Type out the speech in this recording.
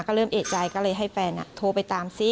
ก็เริ่มเอกใจก็เลยให้แฟนโทรไปตามซิ